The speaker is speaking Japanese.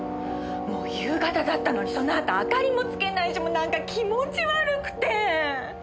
もう夕方だったのにそのあと明かりもつけないしもうなんか気持ち悪くて！